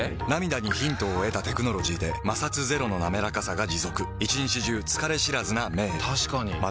涙にヒントを得たテクノロジーで摩擦ゼロのなめらかさが持続一日中疲れ知らずな目へ確かに。